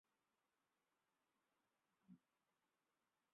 এর মানে যদি হয় সহিংস রাজনীতি, তাহলে তা জনসমর্থন পাবে না।